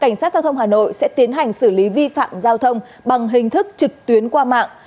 cảnh sát giao thông hà nội sẽ tiến hành xử lý vi phạm giao thông bằng hình thức trực tuyến qua mạng